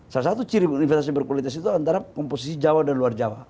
salah satu ciri investasi berkualitas itu antara komposisi jawa dan luar jawa